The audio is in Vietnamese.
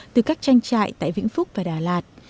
từ các tranh trại tại vĩnh phúc và đà lạt